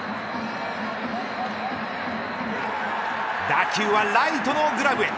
打球はライトのグラブへ。